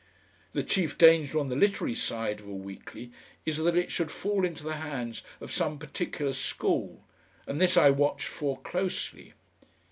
The chief danger on the literary side of a weekly is that it should fall into the hands of some particular school, and this I watched for closely.